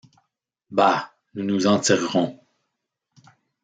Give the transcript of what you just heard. Bah ! nous nous en tirerons.